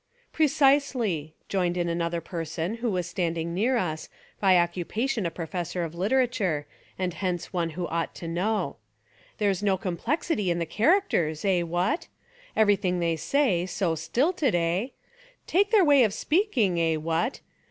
"Precisely," joined in another person who was standing near us, by occupation a profes sor of literature and hence one who ought to know; "there's no complexity in the charac ters, eh, what? Everything they say, so stilted, eh? Take their way of speaking, eh, what?